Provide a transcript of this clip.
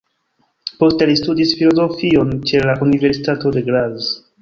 Poste li studis filozofion ĉe la Universitato de Graz.